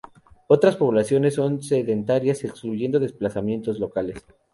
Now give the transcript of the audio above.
Otras poblaciones son sedentarias excluyendo desplazamientos locales.